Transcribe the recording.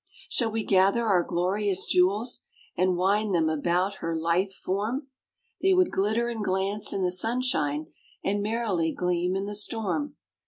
Shall we gather our glorious jewels, And wind them about her lithe form? They would glitter and glance in the sunshine, And merrily gleam in the storm.